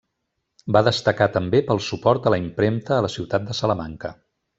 Va destacar també pel suport a la impremta a la ciutat de Salamanca.